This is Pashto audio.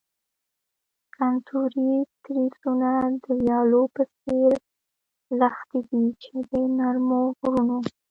کنتوري تریسونه د ویالو په څیر لښتې دي چې د نرمو غرونو.